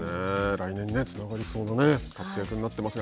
来年につながりそうな活躍になってますが。